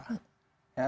sekarang boleh dikatakan